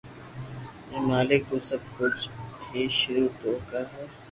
اي مالڪ تو سب ڪجھ ھي سروع تو ھي